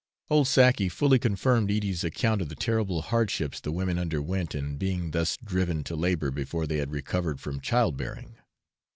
Old Sackey fully confirmed Edie's account of the terrible hardships the women underwent in being thus driven to labour before they had recovered from child bearing.